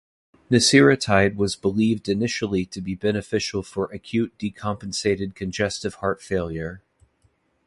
Neseritide was believed initially to be beneficial for acute decompensated congestive heart failure.